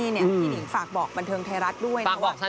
พี่หนิฝากบอกบันเทิงไทยรัฐด้วย